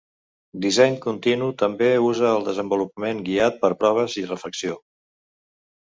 Disseny continu també usa el desenvolupament guiat per proves i refacció.